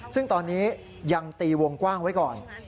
ซึ่งตอนนี้ยังตีวงกว้างไว้ก่อน